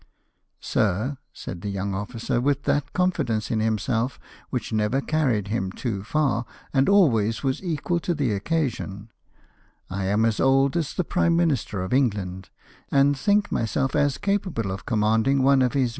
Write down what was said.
"Sir," said the young officer, with that confidence in himself which never carried him too far, and always was equal to the occasion, " I am as old as the Prime Minister of England, and think myself as capable of commanding one of His THE AMERICANS AND THE NAVIGATION ACT.